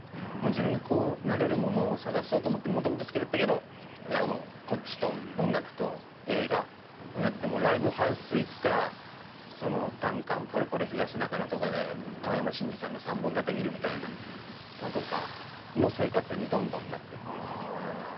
自分がこうなれるものを探そうと思ってもともと好きだったけどこっちと音楽と映画になってライブハウス行くかその単館ポレポレ東中野とかで青山真治さんの３本立て見るみたいな。の生活にどんどんなってって。